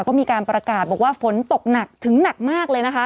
ก็มีการประกาศบอกว่าฝนตกหนักถึงหนักมากเลยนะคะ